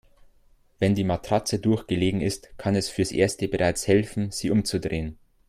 Wenn die Matratze durchgelegen ist, kann es fürs Erste bereits helfen, sie umzudrehen.